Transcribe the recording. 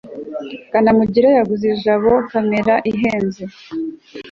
kanamugire yaguze jabo kamera ihenze cy